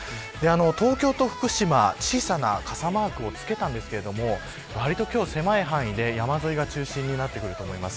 東京と福島小さな傘マークをつけたんですが割と今日は狭い範囲で山沿いが中心になってくると思います。